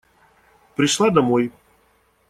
Пришла домой.